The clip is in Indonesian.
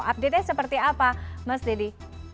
update nya seperti apa mas dedy